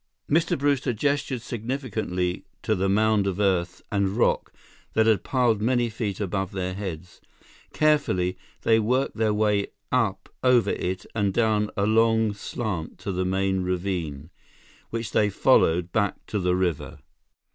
Mr. Brewster gestured significantly to the mound of earth and rock that had piled many feet above their heads. Carefully, they worked their way up over it and down a long slant to the main ravine, which they followed back to the river.